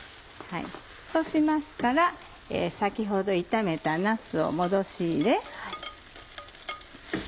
そうしましたら先ほど炒めたなすを戻し入れ。